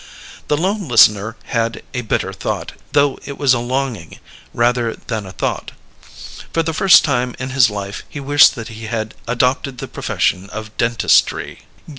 The lone listener had a bitter thought, though it was a longing, rather than a thought. For the first time in his life he wished that he had adopted the profession of dentistry.